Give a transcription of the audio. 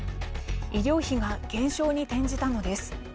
医療費が減少に転じたのです。